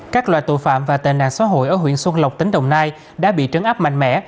các loại tội phạm và tệ nạn xã hội ở huyện xuân lộc tỉnh đồng nai đã bị trấn áp mạnh mẽ